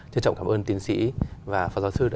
trân trọng cảm ơn tiến sĩ và pháp giáo sư đã